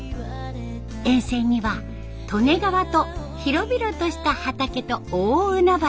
沿線には利根川と広々とした畑と大海原。